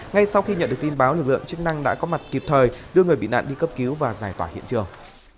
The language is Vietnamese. ngay sau khi nhận được tin báo lực lượng chức năng đã có mặt kịp thời đưa người bị nạn đi cấp cứu và giải tỏa hiện trường